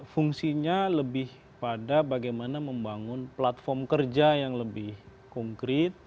fungsinya lebih pada bagaimana membangun platform kerja yang lebih konkret